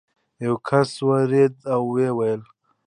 یو کس ودرېد او ویې ویل.